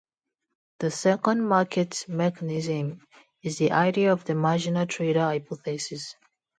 The second market mechanism is the idea of the marginal-trader hypothesis.